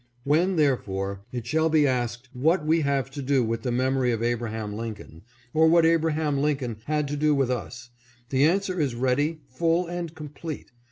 When, therefore, it shall be asked what we have to do with the memory of Abraham Lincoln, or what Abraham Lincoln had to do with us, the answer is ready, full, and complete.